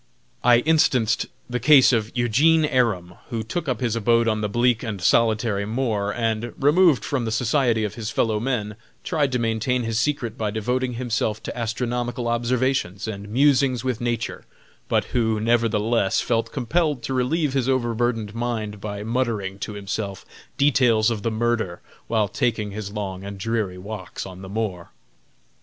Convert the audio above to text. I instanced the case of Eugene Aram, who took up his abode on the bleak and solitary moor, and, removed from the society of his fellow men, tried to maintain his secret by devoting himself to astronomical observations and musings with nature, but who, nevertheless, felt compelled to relieve his overburdened mind by muttering to himself details of the murder while taking his long and dreary walks on the moor.